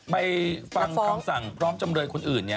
ไปฟังคำสั่งพร้อมจำเลยคนอื่น